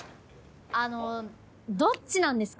あのどっちなんですか？